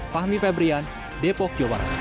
fahmi febrian depok jawa barat